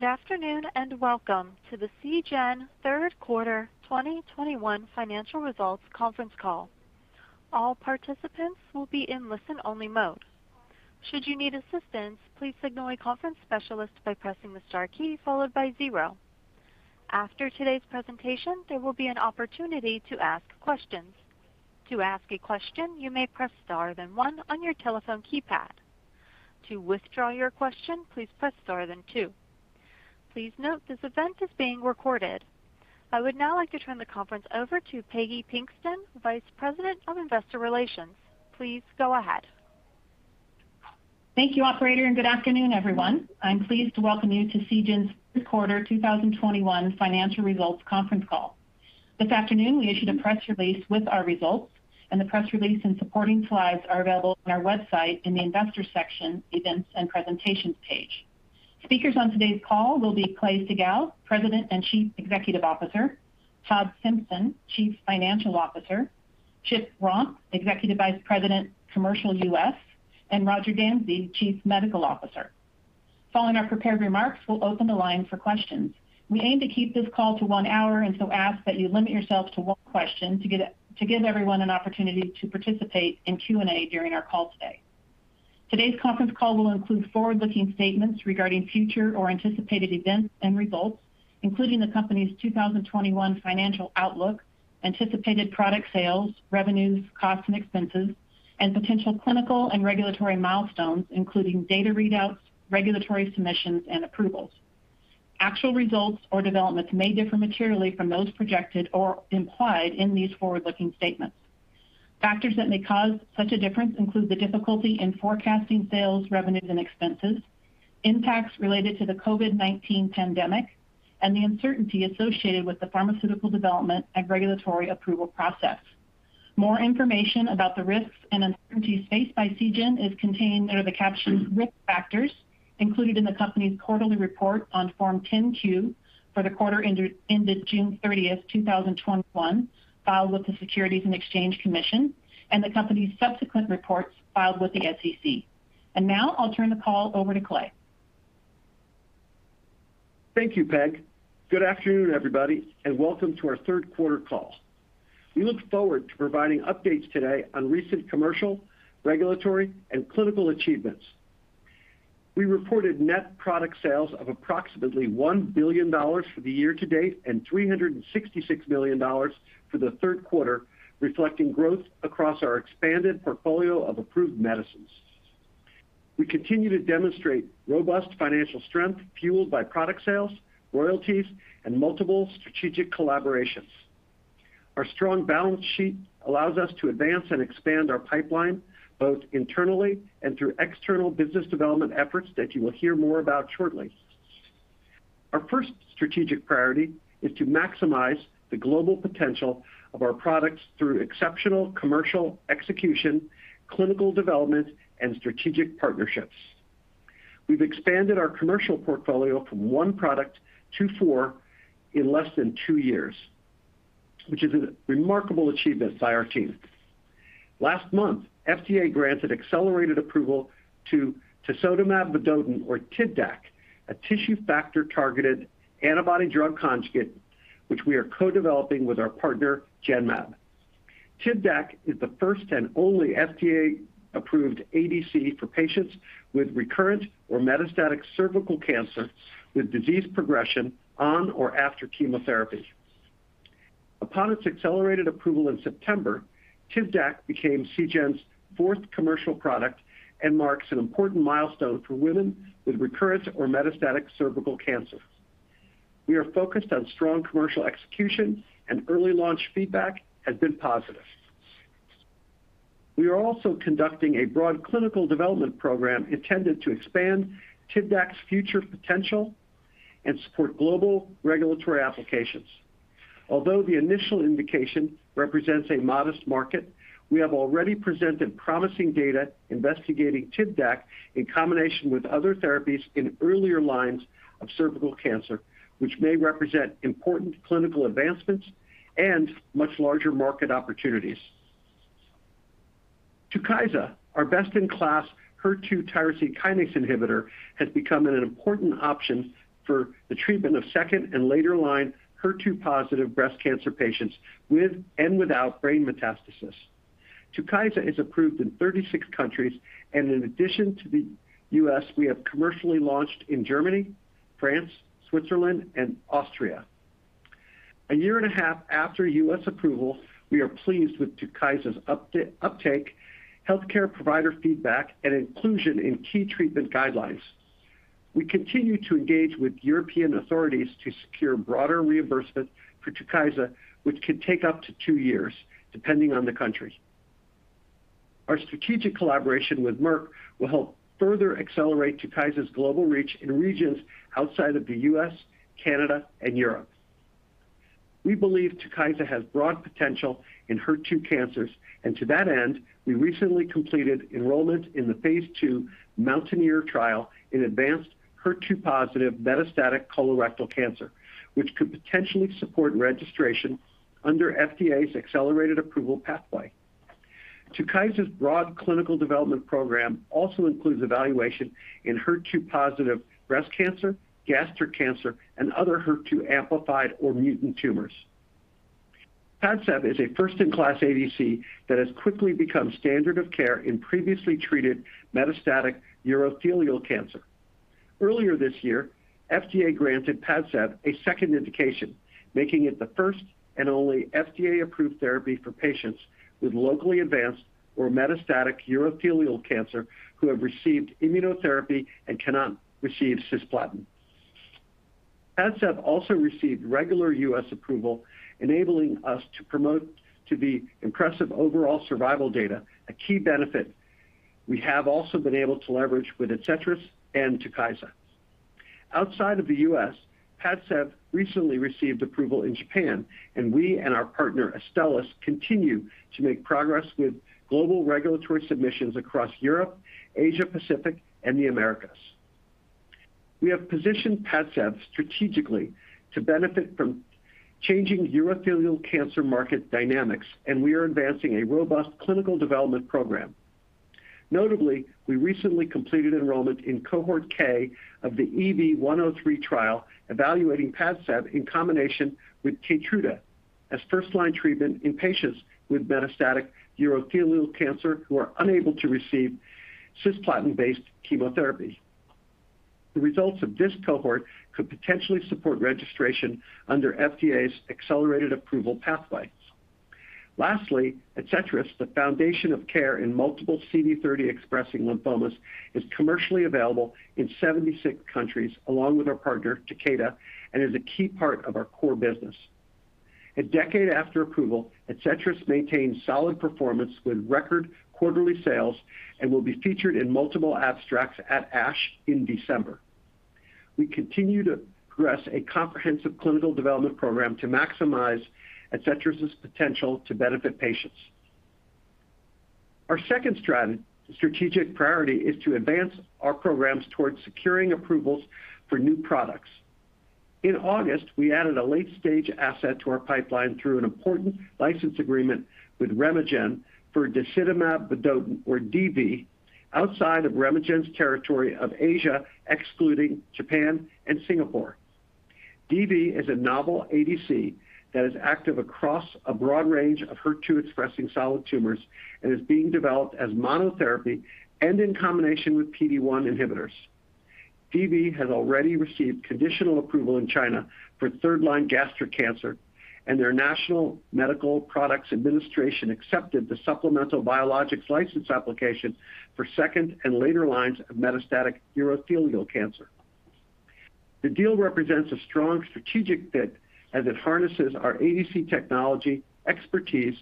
Good afternoon, and welcome to the Seagen Third Quarter 2021 Financial Results Conference Call. All participants will be in listen-only mode. Should you need assistance, please signal a conference specialist by pressing the star key followed by zero. After today's presentation, there will be an opportunity to ask questions. To ask a question, you may press star then one on your telephone keypad. To withdraw your question, please press star then two. Please note this event is being recorded. I would now like to turn the conference over to Peggy Pinkston, Vice President of Investor Relations. Please go ahead. Thank you, operator, and good afternoon, everyone. I'm pleased to welcome you to Seagen's Third Quarter 2021 Financial Results Conference Call. This afternoon, we issued a press release with our results, and the press release and supporting slides are available on our website in the Investors section, Events and Presentations page. Speakers on today's call will be Clay Siegall, President and Chief Executive Officer, Todd Simpson, Chief Financial Officer, Chip Romp, Executive Vice President, Commercial U.S., and Roger Dansey, Chief Medical Officer. Following our prepared remarks, we'll open the line for questions. We aim to keep this call to one hour and so ask that you limit yourself to one question to give everyone an opportunity to participate in Q&A during our call today. Today's conference call will include forward-looking statements regarding future or anticipated events and results, including the company's 2021 financial outlook, anticipated product sales, revenues, costs and expenses, and potential clinical and regulatory milestones, including data readouts, regulatory submissions and approvals. Actual results or developments may differ materially from those projected or implied in these forward-looking statements. Factors that may cause such a difference include the difficulty in forecasting sales, revenues, and expenses, impacts related to the COVID-19 pandemic, and the uncertainty associated with the pharmaceutical development and regulatory approval process. More information about the risks and uncertainties faced by Seagen is contained under the caption Risk Factors included in the company's quarterly report on Form 10-Q for the quarter ended June 30, 2021, filed with the Securities and Exchange Commission and the company's subsequent reports filed with the SEC. Now I'll turn the call over to Clay. Thank you, Peg. Good afternoon, everybody, and welcome to our third quarter call. We look forward to providing updates today on recent commercial, regulatory and clinical achievements. We reported net product sales of approximately $1 billion for the year to date and $366 million for the third quarter, reflecting growth across our expanded portfolio of approved medicines. We continue to demonstrate robust financial strength fueled by product sales, royalties, and multiple strategic collaborations. Our strong balance sheet allows us to advance and expand our pipeline both internally and through external business development efforts that you will hear more about shortly. Our first strategic priority is to maximize the global potential of our products through exceptional commercial execution, clinical development, and strategic partnerships. We've expanded our commercial portfolio from one product to four in less than two years, which is a remarkable achievement by our team. Last month, FDA granted accelerated approval to tisotumab vedotin or TIVDAK, a tissue factor-targeted antibody drug conjugate, which we are co-developing with our partner Genmab. TIVDAK is the first and only FDA-approved ADC for patients with recurrent or metastatic cervical cancer with disease progression on or after chemotherapy. Upon its accelerated approval in September, TIVDAK became Seagen's fourth commercial product and marks an important milestone for women with recurrent or metastatic cervical cancer. We are focused on strong commercial execution and early launch feedback has been positive. We are also conducting a broad clinical development program intended to expand TIVDAK's future potential and support global regulatory applications. Although the initial indication represents a modest market, we have already presented promising data investigating TIVDAK in combination with other therapies in earlier lines of cervical cancer, which may represent important clinical advancements and much larger market opportunities. TUKYSA, our best-in-class HER2 tyrosine kinase inhibitor, has become an important option for the treatment of second and later-line HER2-positive breast cancer patients with and without brain metastasis. TUKYSA is approved in 36 countries, and in addition to the U.S., we have commercially launched in Germany, France, Switzerland, and Austria. A year and a half after U.S. approval, we are pleased with TUKYSA's uptake, healthcare provider feedback, and inclusion in key treatment guidelines. We continue to engage with European authorities to secure broader reimbursement for TUKYSA, which could take up to two years depending on the country. Our strategic collaboration with Merck will help further accelerate TUKYSA's global reach in regions outside of the U.S., Canada, and Europe. We believe TUKYSA has broad potential in HER2 cancers, and to that end, we recently completed enrollment in the phase II MOUNTAINEER trial in advanced HER2-positive metastatic colorectal cancer, which could potentially support registration under FDA's accelerated approval pathway. TUKYSA's broad clinical development program also includes evaluation in HER2-positive breast cancer, gastric cancer, and other HER2 amplified or mutant tumors. PADCEV is a first-in-class ADC that has quickly become standard of care in previously treated metastatic urothelial cancer. Earlier this year, FDA granted PADCEV a second indication, making it the first and only FDA-approved therapy for patients with locally advanced or metastatic urothelial cancer who have received immunotherapy and cannot receive cisplatin. PADCEV also received regular U.S. approval, enabling us to promote the impressive overall survival data, a key benefit we have also been able to leverage with ADCETRIS and TUKYSA. Outside of the U.S., Padcev recently received approval in Japan, and we and our partner Astellas continue to make progress with global regulatory submissions across Europe, Asia-Pacific, and the Americas. We have positioned Padcev strategically to benefit from changing urothelial cancer market dynamics, and we are advancing a robust clinical development program. Notably, we recently completed enrollment in cohort K of the EV-103 trial evaluating Padcev in combination with Keytruda as first line treatment in patients with metastatic urothelial cancer who are unable to receive cisplatin-based chemotherapy. The results of this cohort could potentially support registration under FDA's accelerated approval pathways. Lastly, Adcetris, the foundation of care in multiple CD30 expressing lymphomas, is commercially available in 76 countries along with our partner Takeda and is a key part of our core business. A decade after approval, Adcetris maintains solid performance with record quarterly sales and will be featured in multiple abstracts at ASH in December. We continue to progress a comprehensive clinical development program to maximize Adcetris' potential to benefit patients. Our second strategic priority is to advance our programs towards securing approvals for new products. In August, we added a late-stage asset to our pipeline through an important license agreement with RemeGen for disitamab vedotin or DV outside of RemeGen's territory of Asia, excluding Japan and Singapore. DV is a novel ADC that is active across a broad range of HER2-expressing solid tumors and is being developed as monotherapy and in combination with PD-1 inhibitors. DV has already received conditional approval in China for third-line gastric cancer, and their National Medical Products Administration accepted the supplemental biologics license application for second- and later-lines of metastatic urothelial cancer. The deal represents a strong strategic fit as it harnesses our ADC technology, expertise,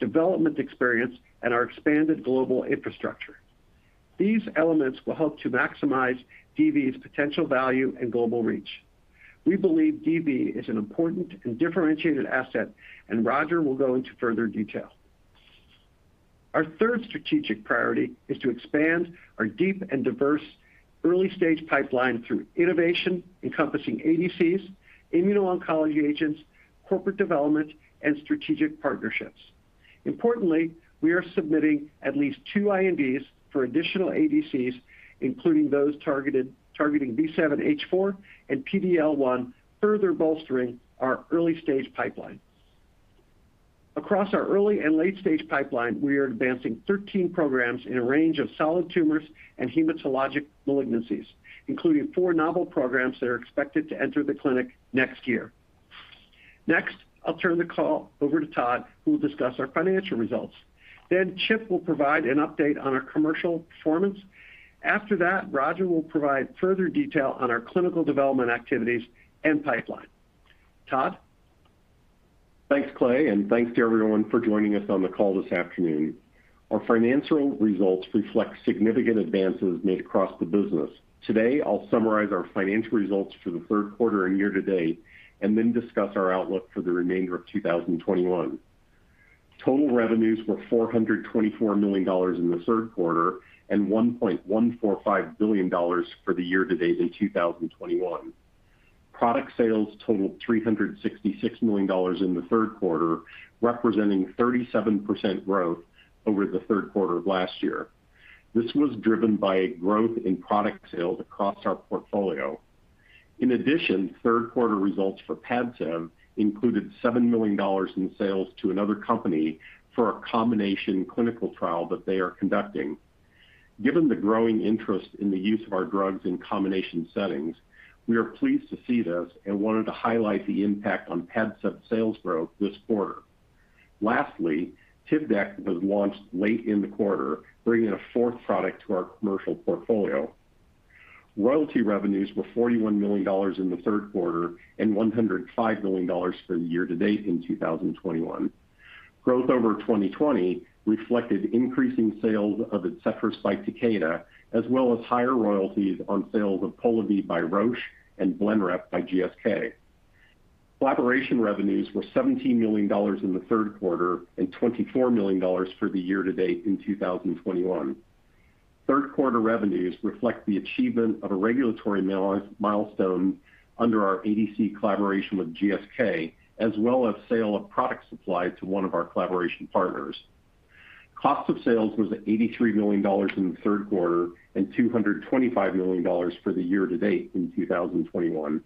development experience, and our expanded global infrastructure. These elements will help to maximize DV's potential value and global reach. We believe DV is an important and differentiated asset, and Roger will go into further detail. Our third strategic priority is to expand our deep and diverse early-stage pipeline through innovation encompassing ADCs, immuno-oncology agents, corporate development, and strategic partnerships. Importantly, we are submitting at least two INDs for additional ADCs, including those targeting B7-H4 and PD-L1, further bolstering our early-stage pipeline. Across our early and late stage pipeline, we are advancing 13 programs in a range of solid tumors and hematologic malignancies, including 4 novel programs that are expected to enter the clinic next year. Next, I'll turn the call over to Todd, who will discuss our financial results. Then Chip will provide an update on our commercial performance. After that, Roger will provide further detail on our clinical development activities and pipeline. Todd? Thanks, Clay, and thanks to everyone for joining us on the call this afternoon. Our financial results reflect significant advances made across the business. Today, I'll summarize our financial results for the third quarter and year to date, and then discuss our outlook for the remainder of 2021. Total revenues were $424 million in the third quarter and $1.145 billion for the year to date in 2021. Product sales totaled $366 million in the third quarter, representing 37% growth over the third quarter of last year. This was driven by growth in product sales across our portfolio. In addition, third quarter results for Padcev included $7 million in sales to another company for a combination clinical trial that they are conducting. Given the growing interest in the use of our drugs in combination settings, we are pleased to see this and wanted to highlight the impact on Padcev sales growth this quarter. Lastly, TIVDAK was launched late in the quarter, bringing a fourth product to our commercial portfolio. Royalty revenues were $41 million in the third quarter and $105 million for the year to date in 2021. Growth over 2020 reflected increasing sales of Adcetris by Takeda, as well as higher royalties on sales of Polivy by Roche and Blenrep by GSK. Collaboration revenues were $17 million in the third quarter and $24 million for the year to date in 2021. Third quarter revenues reflect the achievement of a regulatory milestone under our ADC collaboration with GSK, as well as sale of product supply to one of our collaboration partners. Cost of sales was $83 million in the third quarter and $225 million for the year to date in 2021.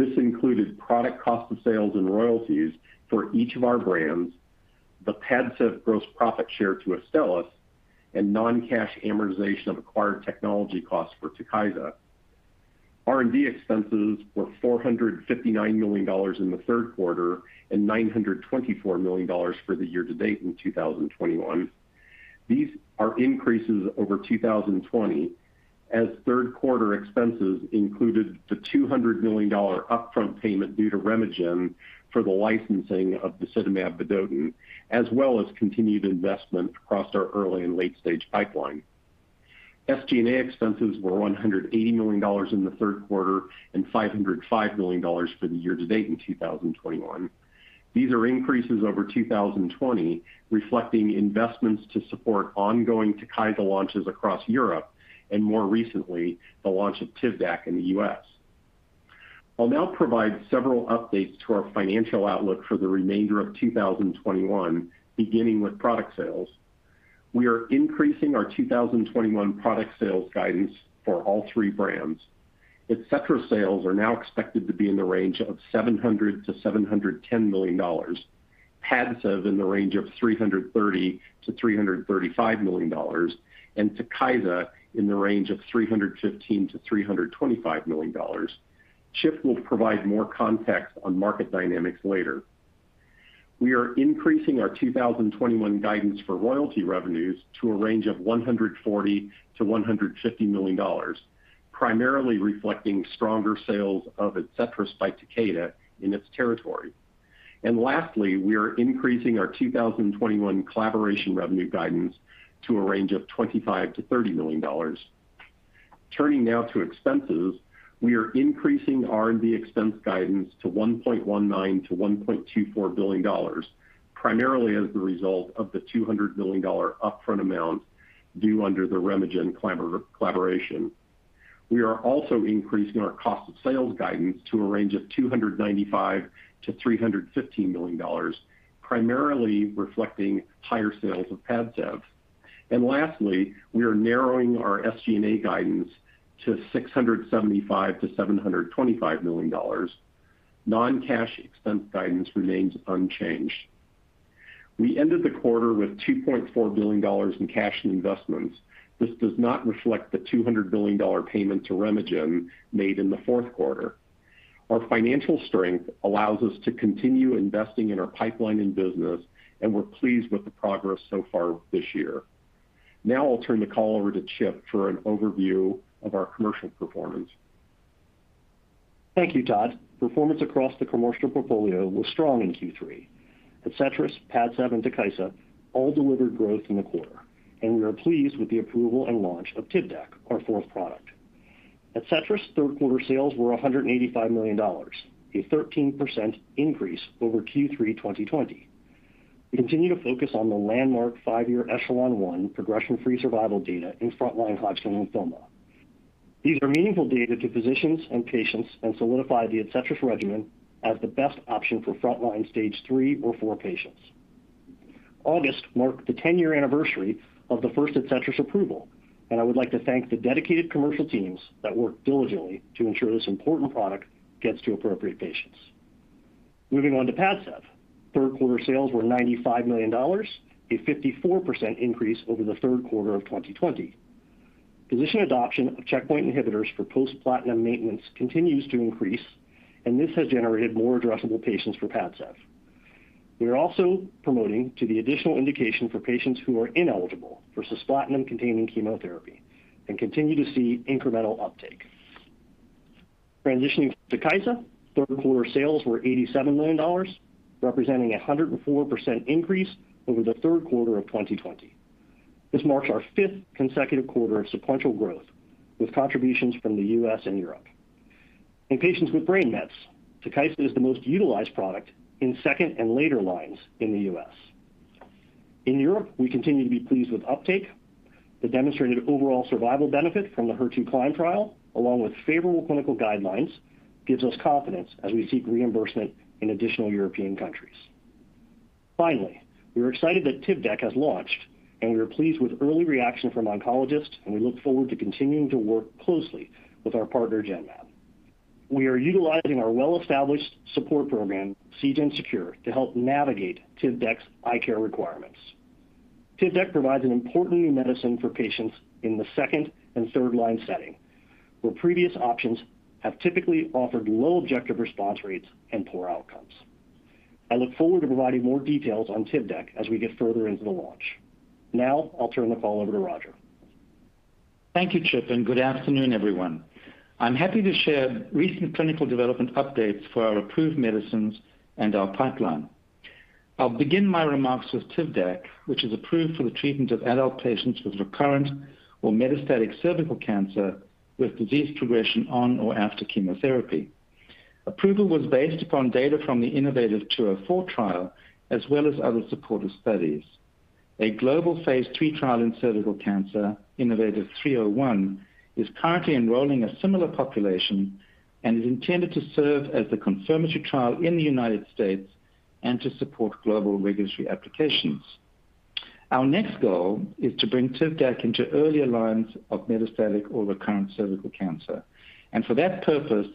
This included product cost of sales and royalties for each of our brands, the PADCEV gross profit share to Astellas, and non-cash amortization of acquired technology costs for TUKYSA. R&D expenses were $459 million in the third quarter and $924 million for the year to date in 2021. These are increases over 2020 as third quarter expenses included the $200 million upfront payment due to RemeGen for the licensing of disitamab vedotin, as well as continued investment across our early and late-stage pipeline. SG&A expenses were $180 million in the third quarter and $505 million for the year to date in 2021. These are increases over 2020, reflecting investments to support ongoing TUKYSA launches across Europe and more recently, the launch of TIVDAK in the U.S. I'll now provide several updates to our financial outlook for the remainder of 2021, beginning with product sales. We are increasing our 2021 product sales guidance for all three brands. ADCETRIS sales are now expected to be in the range of $700 million-$710 million, PADCEV in the range of $330 million-$335 million, and TUKYSA in the range of $315 million-$325 million. Chip will provide more context on market dynamics later. We are increasing our 2021 guidance for royalty revenues to a range of $140 million-$150 million, primarily reflecting stronger sales of ADCETRIS by Takeda in its territory. We are increasing our 2021 collaboration revenue guidance to a range of $25 million-$30 million. Turning now to expenses, we are increasing R&D expense guidance to $1.19-$1.24 billion, primarily as the result of the $200 million upfront amount due under the RemeGen collaboration. We are also increasing our cost of sales guidance to a range of $295-$315 million, primarily reflecting higher sales of Padcev. Lastly, we are narrowing our SG&A guidance to $675-$725 million. Non-cash expense guidance remains unchanged. We ended the quarter with $2.4 billion in cash and investments. This does not reflect the $200 million payment to RemeGen made in the fourth quarter. Our financial strength allows us to continue investing in our pipeline and business, and we're pleased with the progress so far this year. Now I'll turn the call over to Chip for an overview of our commercial performance. Thank you, Todd. Performance across the commercial portfolio was strong in Q3. Adcetris, PADCEV, and TUKYSA all delivered growth in the quarter, and we are pleased with the approval and launch of TIVDAK, our fourth product. Adcetris third quarter sales were $185 million, a 13% increase over Q3 2020. We continue to focus on the landmark 5-year ECHELON-1 progression-free survival data in front line Hodgkin lymphoma. These are meaningful data to physicians and patients and solidify the Adcetris regimen as the best option for front line stage three or four patients. August marked the 10-year anniversary of the first Adcetris approval, and I would like to thank the dedicated commercial teams that work diligently to ensure this important product gets to appropriate patients. Moving on to PADCEV. Third quarter sales were $95 million, a 54% increase over the third quarter of 2020. Physician adoption of checkpoint inhibitors for post platinum maintenance continues to increase, and this has generated more addressable patients for PADCEV. We are also promoting to the additional indication for patients who are ineligible for cisplatin-containing chemotherapy and continue to see incremental uptake. Transitioning to TUKYSA, third quarter sales were $87 million, representing a 104% increase over the third quarter of 2020. This marks our fifth consecutive quarter of sequential growth with contributions from the U.S. and Europe. In patients with brain mets, TUKYSA is the most utilized product in second and later lines in the U.S. In Europe, we continue to be pleased with uptake. The demonstrated overall survival benefit from the HER2CLIMB trial, along with favorable clinical guidelines, gives us confidence as we seek reimbursement in additional European countries. Finally, we are excited that TIVDAK has launched, and we are pleased with early reaction from oncologists, and we look forward to continuing to work closely with our partner, Genmab. We are utilizing our well-established support program, Seagen Secure, to help navigate TIVDAK's eye care requirements. TIVDAK provides an important new medicine for patients in the second and third line setting, where previous options have typically offered low objective response rates and poor outcomes. I look forward to providing more details on TIVDAK as we get further into the launch. Now, I'll turn the call over to Roger. Thank you, Chip, and good afternoon, everyone. I'm happy to share recent clinical development updates for our approved medicines and our pipeline. I'll begin my remarks with TIVDAK, which is approved for the treatment of adult patients with recurrent or metastatic cervical cancer with disease progression on or after chemotherapy. Approval was based upon data from the innovaTV 204 trial as well as other supportive studies. A global phase III trial in cervical cancer, innovaTV 301, is currently enrolling a similar population and is intended to serve as the confirmatory trial in the United States and to support global regulatory applications. Our next goal is to bring TIVDAK into early lines of metastatic or recurrent cervical cancer. For that purpose,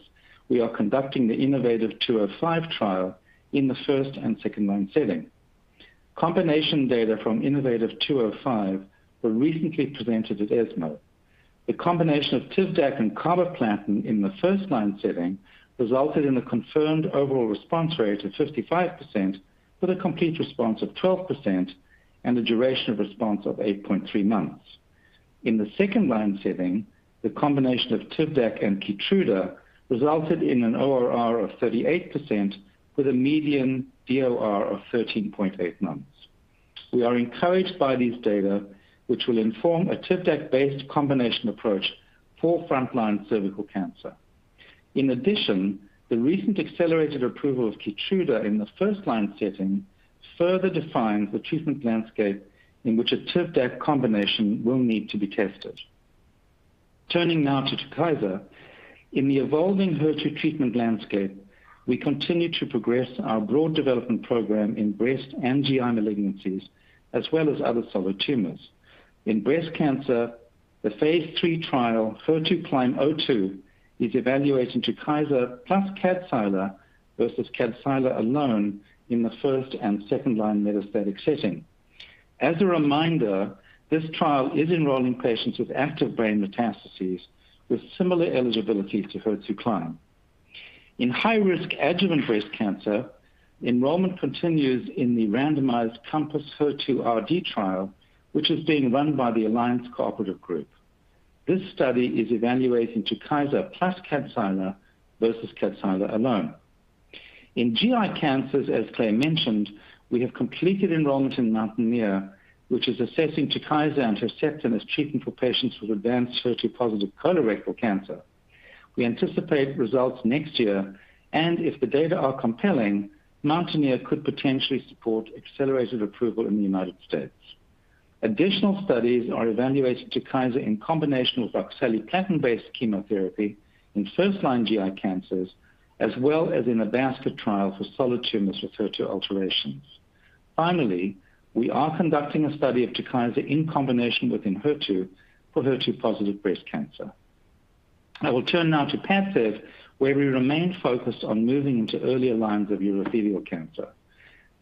we are conducting the innovaTV 205 trial in the first- and second-line setting. Combination data from innovaTV 205 were recently presented at ESMO. The combination of TIVDAK and carboplatin in the first-line setting resulted in a confirmed overall response rate of 55% with a complete response of 12% and a duration of response of 8.3 months. In the second-line setting, the combination of TIVDAK and Keytruda resulted in an ORR of 38% with a median DOR of 13.8 months. We are encouraged by these data, which will inform a TIVDAK-based combination approach for frontline cervical cancer. In addition, the recent accelerated approval of Keytruda in the first-line setting further defines the treatment landscape in which a TIVDAK combination will need to be tested. Turning now to TUKYSA. In the evolving HER2 treatment landscape, we continue to progress our broad development program in breast and GI malignancies, as well as other solid tumors. In breast cancer, the phase III trial, HER2CLIMB-02, is evaluating TUKYSA plus Kadcyla versus Kadcyla alone in the first- and second-line metastatic setting. As a reminder, this trial is enrolling patients with active brain metastases with similar eligibility to HER2CLIMB. In high-risk adjuvant breast cancer, enrollment continues in the randomized CompassHER2 RD trial, which is being run by the Alliance cooperative group. This study is evaluating TUKYSA plus Kadcyla versus Kadcyla alone. In GI cancers, as Clay mentioned, we have completed enrollment in MOUNTAINEER, which is assessing TUKYSA and Herceptin as treatment for patients with advanced HER2-positive colorectal cancer. We anticipate results next year, and if the data are compelling, MOUNTAINEER could potentially support accelerated approval in the United States. Additional studies are evaluating TUKYSA in combination with oxaliplatin-based chemotherapy in first-line GI cancers, as well as in a basket trial for solid tumors with HER2 alterations. Finally, we are conducting a study of TUKYSA in combination with Enhertu for HER2-positive breast cancer. I will turn now to PADCEV, where we remain focused on moving into earlier lines of urothelial cancer.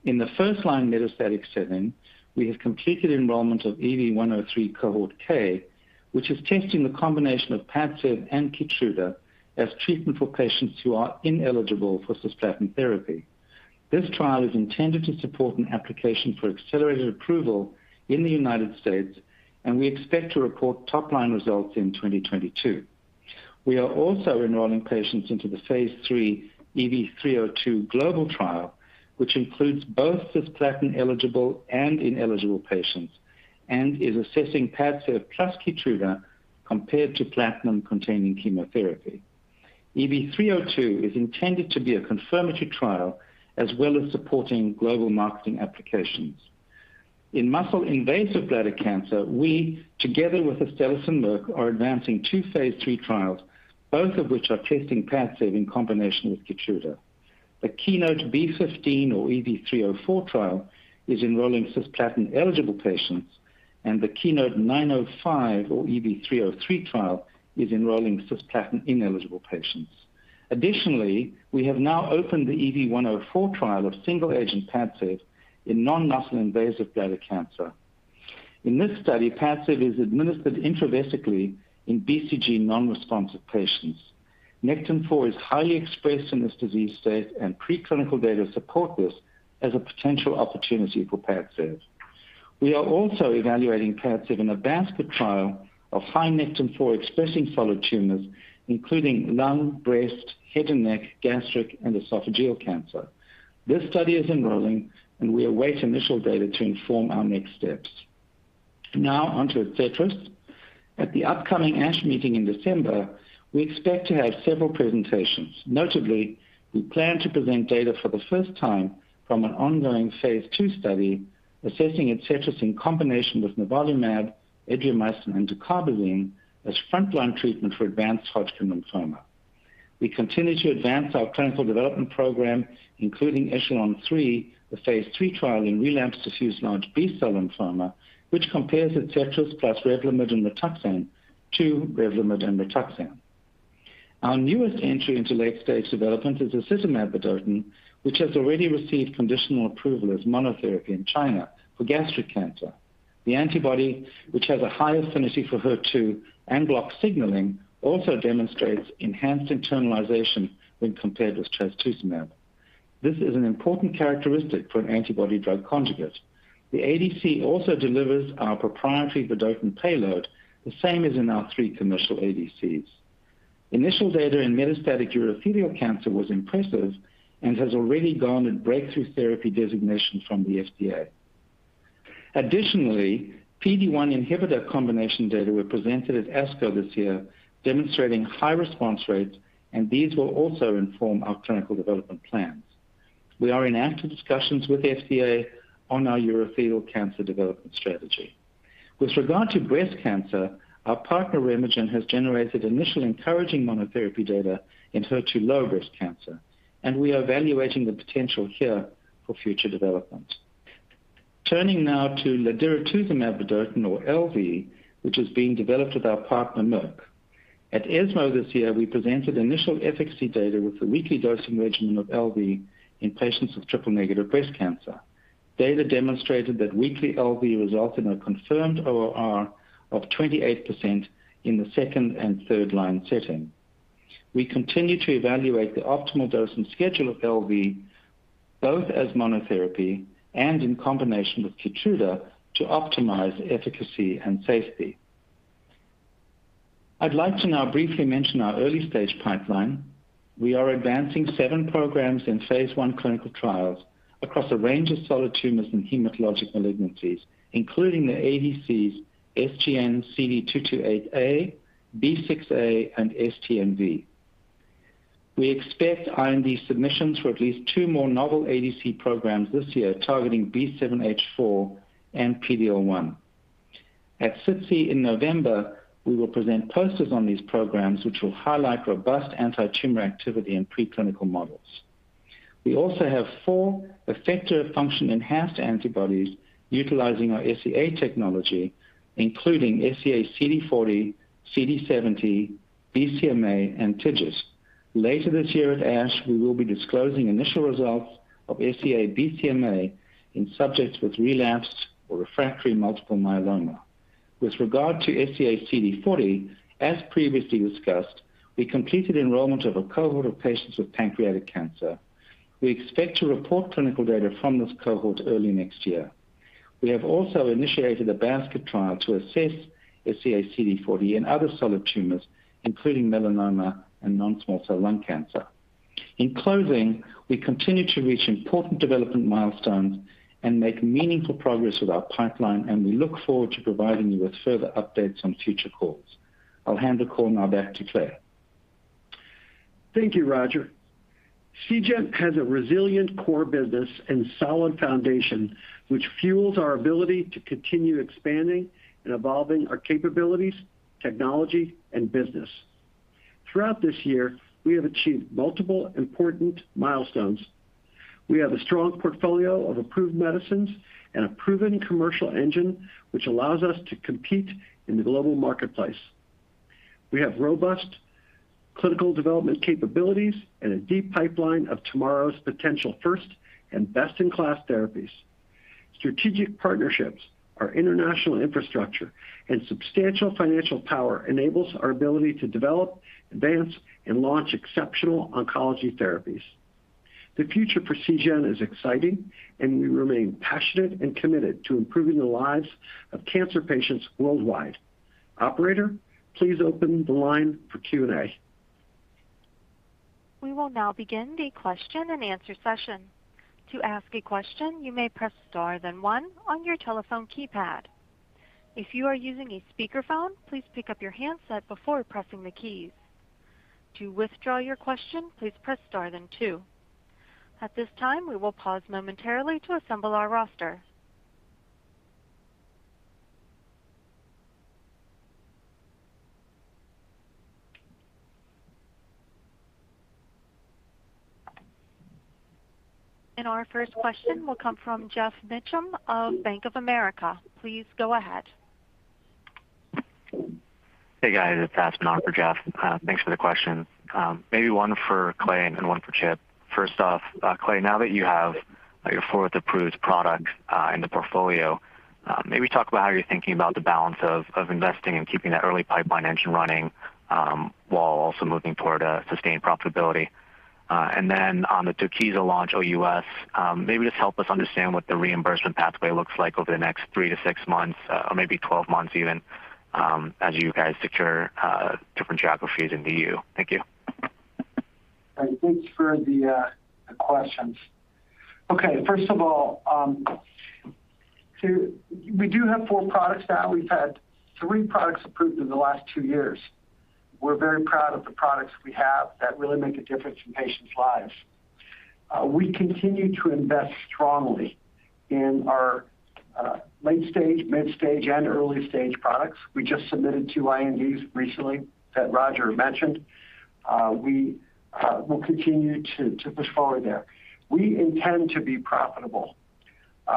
In the first-line metastatic setting, we have completed enrollment of EV-103 cohort K, which is testing the combination of Padcev and Keytruda as treatment for patients who are ineligible for cisplatin therapy. This trial is intended to support an application for accelerated approval in the United States, and we expect to report top-line results in 2022. We are also enrolling patients into the phase III EV-302 global trial, which includes both cisplatin-eligible and ineligible patients and is assessing Padcev plus Keytruda compared to platinum-containing chemotherapy. EV-302 is intended to be a confirmatory trial as well as supporting global marketing applications. In muscle-invasive bladder cancer, we, together with Astellas and Merck, are advancing two phase III trials, both of which are testing Padcev in combination with Keytruda. The KEYNOTE-B15 or EV-304 trial is enrolling cisplatin-eligible patients, and the KEYNOTE-905 or EV-303 trial is enrolling cisplatin-ineligible patients. Additionally, we have now opened the EV-104 trial of single-agent Padcev in non-muscle invasive bladder cancer. In this study, Padcev is administered intravesically in BCG non-responsive patients. Nectin-4 is highly expressed in this disease state, and pre-clinical data support this as a potential opportunity for Padcev. We are also evaluating Padcev in a basket trial of high Nectin-4 expressing solid tumors, including lung, breast, head and neck, gastric, and esophageal cancer. This study is enrolling, and we await initial data to inform our next steps. Now on to Adcetris. At the upcoming ASH meeting in December, we expect to have several presentations. Notably, we plan to present data for the first time from an ongoing phase II study assessing Adcetris in combination with nivolumab, doxorubicin, and dacarbazine as frontline treatment for advanced Hodgkin lymphoma. We continue to advance our clinical development program, including ECHELON-3, the phase III trial in relapsed diffuse large B-cell lymphoma, which compares Adcetris plus Revlimid and rituximab to Revlimid and rituximab. Our newest entry into late-stage development is disitamab vedotin, which has already received conditional approval as monotherapy in China for gastric cancer. The antibody, which has a high affinity for HER2 and blocks signaling, also demonstrates enhanced internalization when compared with trastuzumab. This is an important characteristic for an antibody-drug conjugate. The ADC also delivers our proprietary vedotin payload, the same as in our three commercial ADCs. Initial data in metastatic urothelial cancer was impressive and has already garnered breakthrough therapy designation from the FDA. Additionally, PD-1 inhibitor combination data were presented at ASCO this year, demonstrating high response rates, and these will also inform our clinical development plans. We are in active discussions with the FDA on our urothelial cancer development strategy. With regard to breast cancer, our partner, RemeGen, has generated initial encouraging monotherapy data in HER2 low breast cancer, and we are evaluating the potential here for future development. Turning now to ladiratuzumab vedotin or LV, which is being developed with our partner, Merck. At ESMO this year, we presented initial efficacy data with the weekly dosing regimen of LV in patients with triple-negative breast cancer. Data demonstrated that weekly LV results in a confirmed ORR of 28% in the second and third line setting. We continue to evaluate the optimal dose and schedule of LV, both as monotherapy and in combination with Keytruda to optimize efficacy and safety. I'd like to now briefly mention our early stage pipeline. We are advancing seven programs in phase I clinical trials across a range of solid tumors and hematologic malignancies, including the ADCs, SGN-CD228A, SGN-B6A, and SGN-STNV. We expect IND submissions for at least two more novel ADC programs this year targeting B7-H4 and PD-L1. At SITC in November, we will present posters on these programs, which will highlight robust anti-tumor activity in preclinical models. We also have four effector function enhanced antibodies utilizing our SEA technology, including SEA-CD40, CD70, BCMA, and TIGIT. Later this year at ASH, we will be disclosing initial results of SEA-BCMA in subjects with relapsed or refractory multiple myeloma. With regard to SEA-CD40, as previously discussed, we completed enrollment of a cohort of patients with pancreatic cancer. We expect to report clinical data from this cohort early next year. We have also initiated a basket trial to assess SEA-CD40 in other solid tumors, including melanoma and non-small cell lung cancer. In closing, we continue to reach important development milestones and make meaningful progress with our pipeline, and we look forward to providing you with further updates on future calls. I'll hand the call now back to Clay. Thank you, Roger. Seagen has a resilient core business and solid foundation, which fuels our ability to continue expanding and evolving our capabilities, technology, and business. Throughout this year, we have achieved multiple important milestones. We have a strong portfolio of approved medicines and a proven commercial engine, which allows us to compete in the global marketplace. We have robust clinical development capabilities and a deep pipeline of tomorrow's potential first and best-in-class therapies. Strategic partnerships, our international infrastructure, and substantial financial power enables our ability to develop, advance, and launch exceptional oncology therapies. The future for Seagen is exciting, and we remain passionate and committed to improving the lives of cancer patients worldwide. Operator, please open the line for Q&A. We will now begin the question and answer session. To ask a question, you may press Star then one on your telephone keypad. If you are using a speakerphone, please pick up your handset before pressing the keys. To withdraw your question, please press Star then two. At this time, we will pause momentarily to assemble our roster. Our first question will come from Geoff Meacham of Bank of America. Please go ahead. Hey, guys. It's for Geoff. Thanks for the question. Maybe one for Clay and one for Chip. First off, Clay, now that you have your fourth approved product in the portfolio, maybe talk about how you're thinking about the balance of investing and keeping that early pipeline engine running while also moving toward a sustained profitability. On the TUKYSA launch OUS, maybe just help us understand what the reimbursement pathway looks like over the next 3-6 months or maybe 12 months even as you guys secure different geographies in EU. Thank you. Thanks for the questions. Okay, first of all, we do have four products now. We've had three products approved in the last two years. We're very proud of the products we have that really make a difference in patients' lives. We continue to invest strongly in our late stage, mid-stage, and early stage products. We just submitted two INDs recently that Roger mentioned. We will continue to push forward there. We intend to be profitable.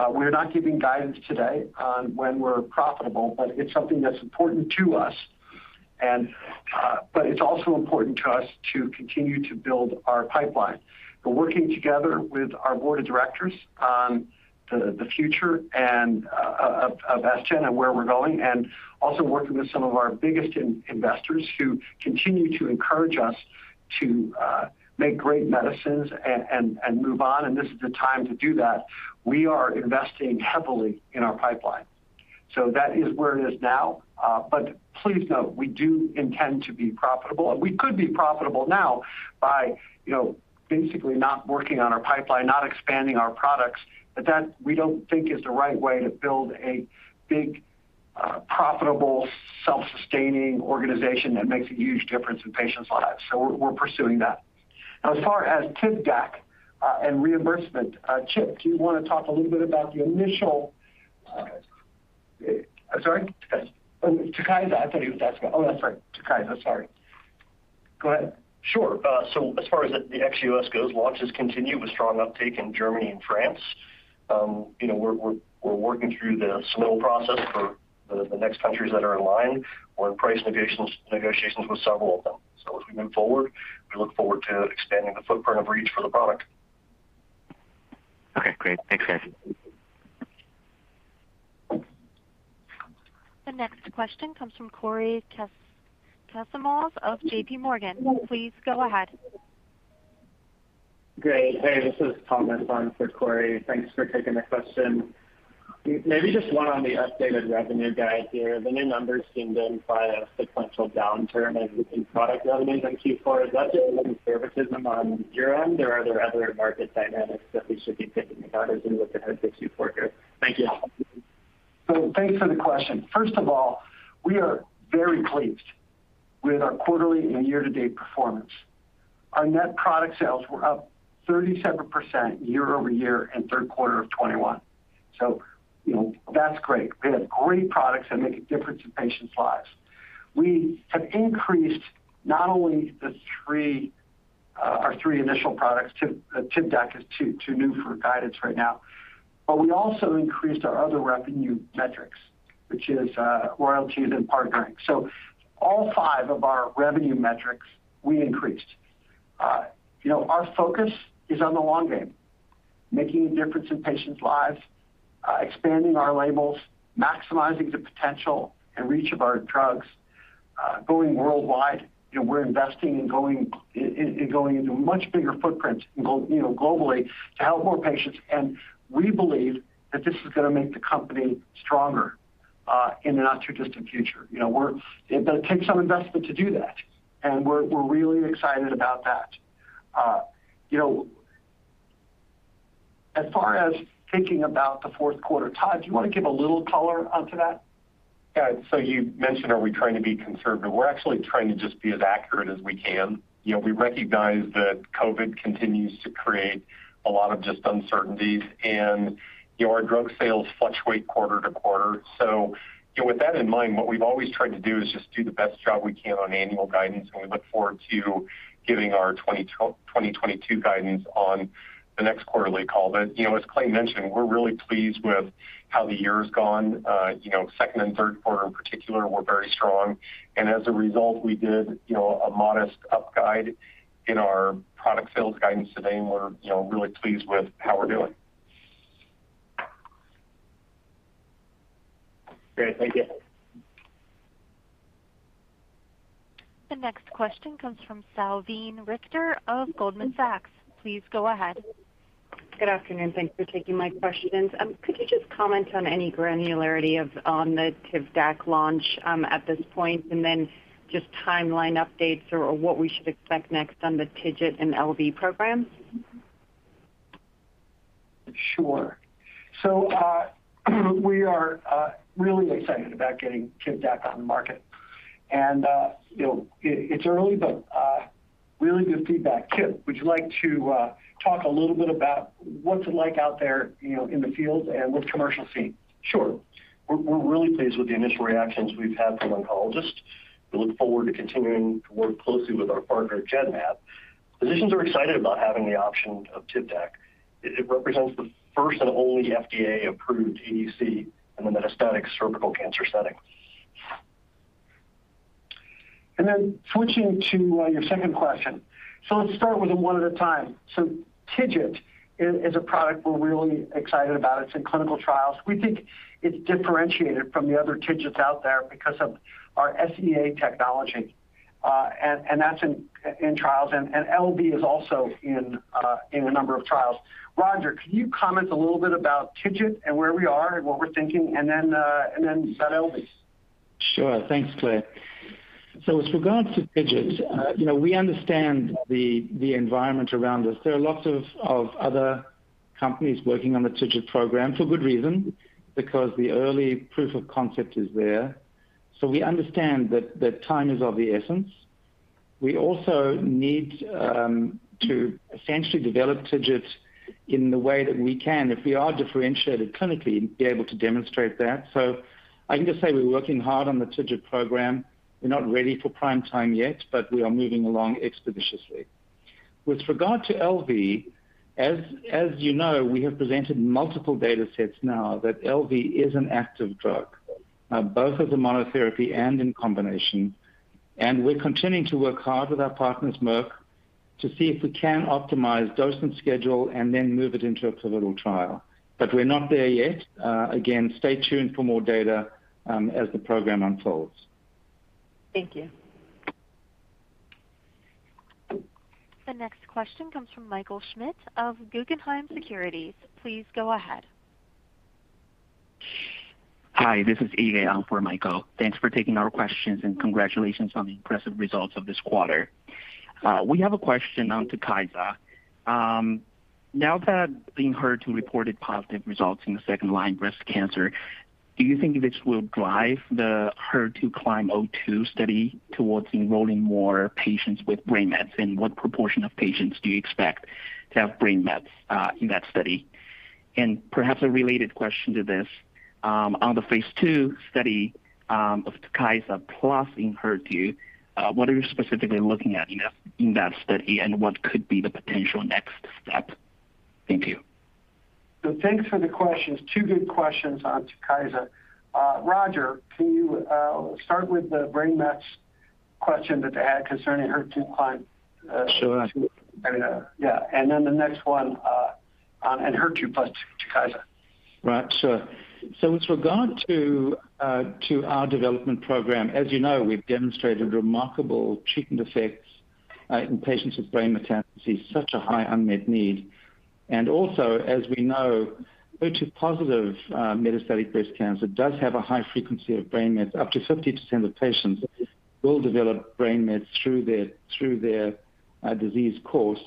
We're not giving guidance today on when we're profitable, but it's something that's important to us. It's also important to us to continue to build our pipeline. We're working together with our board of directors on the future and of Seagen and where we're going, and also working with some of our biggest investors who continue to encourage us to make great medicines and move on. This is the time to do that. We are investing heavily in our pipeline. That is where it is now. Please note we do intend to be profitable. We could be profitable now by, you know, basically not working on our pipeline, not expanding our products. That we don't think is the right way to build a big profitable, self-sustaining organization that makes a huge difference in patients' lives. We're pursuing that. Now, as far as TIVDAK and reimbursement, Chip, do you wanna talk a little bit about the initial- TUKYSA. I'm sorry? TUKYSA. Oh, TUKYSA. Oh, I'm sorry. TUKYSA, sorry. Go ahead. Sure. As far as the ex-U.S. goes, launches continue with strong uptake in Germany and France. We're working through the submittal process for the next countries that are in line. We're in price negotiations with several of them. As we move forward, we look forward to expanding the footprint of reach for the product. Okay, great. Thanks, guys. The next question comes from Cory Kasimov of JPMorgan. Please go ahead. Great. Hey, this is Tom responding for Cory. Thanks for taking the question. Maybe just one on the updated revenue guide here. The new numbers seem to imply a sequential downturn in product revenues in Q4. Is that just a little conservatism on your end, or are there other market dynamics that we should be thinking about as we look ahead to Q4 here? Thank you. Thanks for the question. First of all, we are very pleased with our quarterly and year-to-date performance. Our net product sales were up 37% year-over-year in third quarter of 2021. You know, that's great. We have great products that make a difference in patients' lives. We have increased not only the three, our three initial products. TIVDAK is too new for guidance right now. But we also increased our other revenue metrics, which is royalties and partnering. All five of our revenue metrics, we increased. You know, our focus is on the long game, making a difference in patients' lives, expanding our labels, maximizing the potential and reach of our drugs, going worldwide. You know, we're investing in going into a much bigger footprint globally to help more patients. We believe that this is gonna make the company stronger in the not too distant future. You know, it does take some investment to do that, and we're really excited about that. You know, as far as thinking about the fourth quarter, Todd, do you wanna give a little color onto that? Yeah. You mentioned, are we trying to be conservative? We're actually trying to just be as accurate as we can. You know, we recognize that COVID continues to create a lot of just uncertainties. You know, our drug sales fluctuate quarter to quarter. You know, with that in mind, what we've always tried to do is just do the best job we can on annual guidance, and we look forward to giving our 2022 guidance on the next quarterly call. You know, as Clay mentioned, we're really pleased with how the year has gone. You know, second and third quarter in particular were very strong. As a result, we did, you know, a modest up guide in our product sales guidance today, and we're, you know, really pleased with how we're doing. Great. Thank you. The next question comes from Salveen Richter of Goldman Sachs. Please go ahead. Good afternoon. Thanks for taking my questions. Could you just comment on any granularity on the TIVDAK launch at this point? Just timeline updates or what we should expect next on the TIGIT and LV programs? Sure. We are really excited about getting TIVDAK on the market. You know, it's early, but really good feedback. Chip, would you like to talk a little bit about what's it like out there, you know, in the field and what the commercial scene? Sure. We're really pleased with the initial reactions we've had from oncologists. We look forward to continuing to work closely with our partner, Genmab. Physicians are excited about having the option of TIVDAK. It represents the first and only FDA-approved ADC in the metastatic cervical cancer setting. Switching to your second question. Let's start with them one at a time. TIGIT is a product we're really excited about. It's in clinical trials. We think it's differentiated from the other TIGITs out there because of our SEA technology, and that's in trials. LV is also in a number of trials. Roger, can you comment a little bit about TIGIT and where we are and what we're thinking, and then about LV? Sure. Thanks, Clay. With regards to TIGIT, you know, we understand the environment around us. There are lots of other companies working on the TIGIT program for good reason, because the early proof of concept is there. We understand that time is of the essence. We also need to essentially develop TIGIT in the way that we can, if we are differentiated clinically, be able to demonstrate that. I can just say we're working hard on the TIGIT program. We're not ready for prime time yet, but we are moving along expeditiously. With regard to LV, as you know, we have presented multiple data sets now that LV is an active drug, both as a monotherapy and in combination. We're continuing to work hard with our partners, Merck, to see if we can optimize dose and schedule and then move it into a pivotal trial. We're not there yet. Again, stay tuned for more data, as the program unfolds. Thank you. The next question comes from Michael Schmidt of Guggenheim Securities. Please go ahead. Hi, this is Yi Lei on for Michael. Thanks for taking our questions, and congratulations on the impressive results of this quarter. We have a question on TUKYSA. Now that TUKYSA in HER2CLIMB reported positive results in the second-line breast cancer, do you think this will drive the HER2CLIMB-02 study towards enrolling more patients with brain mets? And what proportion of patients do you expect to have brain mets in that study? And perhaps a related question to this, on the phase II study of TUKYSA plus Enhertu, what are you specifically looking at in that study, and what could be the potential next step? Thank you. Thanks for the questions. Two good questions on TUKYSA. Roger, can you start with the brain mets question that they had concerning HER2CLIMB-02? Sure. The next one on Enhertu plus TUKYSA. Right. Sure. With regard to our development program, as you know, we've demonstrated remarkable treatment effects in patients with brain metastases, such a high unmet need. Also, as we know, HER2-positive metastatic breast cancer does have a high frequency of brain mets. Up to 50% of patients will develop brain mets through their disease course.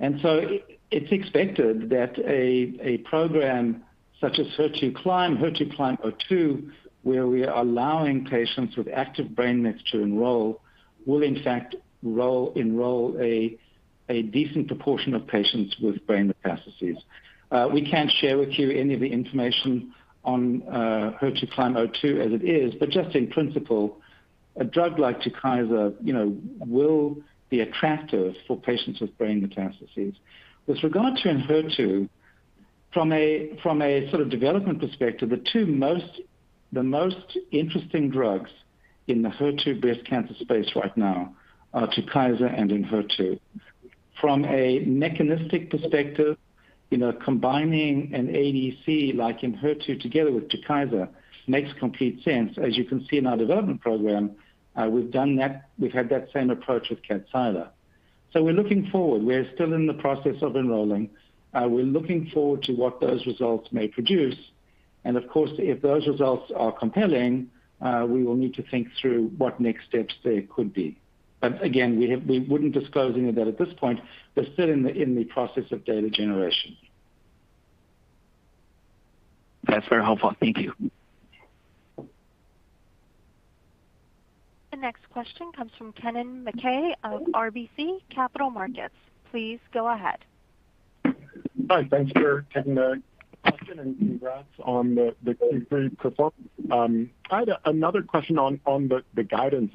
It's expected that a program such as HER2CLIMB-02, where we are allowing patients with active brain mets to enroll, will in fact enroll a decent proportion of patients with brain metastases. We can't share with you any of the information on HER2CLIMB-02 as it is, but just in principle, a drug like TUKYSA, you know, will be attractive for patients with brain metastases. With regard to Enhertu, from a sort of development perspective, the most interesting drugs in the HER2 breast cancer space right now are Tukysa and Enhertu. From a mechanistic perspective, you know, combining an ADC like Enhertu together with Tukysa makes complete sense. As you can see in our development program, we've done that. We've had that same approach with Kadcyla. We're looking forward. We're still in the process of enrolling. We're looking forward to what those results may produce. Of course, if those results are compelling, we will need to think through what next steps there could be. Again, we wouldn't disclose any of that at this point. We're still in the process of data generation. That's very helpful. Thank you. The next question comes from Kennen MacKay of RBC Capital Markets. Please go ahead. Hi. Thank you for taking the question, and congrats on the Q3 performance. I had another question on the guidance,